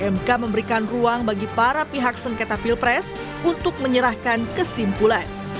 mk memberikan ruang bagi para pihak sengketa pilpres untuk menyerahkan kesimpulan